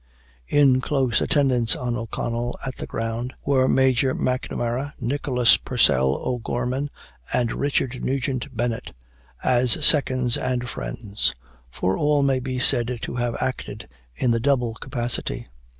In close attendance on O'Connell, at the ground, were Major M'Namara, Nicholas Purcell O'Gorman, and Richard Nugent Bennett, as seconds and friends; for all may be said to have acted in the double capacity.